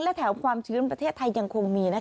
และแถมความชื้นประเทศไทยยังคงมี